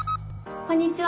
こんにちは。